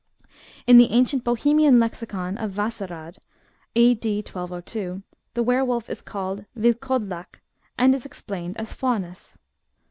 "* In the ancient Bohemian Lexicon of Vacerad (a.d. 1202) the were wolf is called vilkodlak, and is explained as faunus.